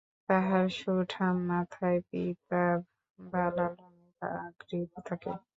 তাঁহার সুঠাম মাথায় পীতাভ বা লালরঙের পাগড়ি থাকে।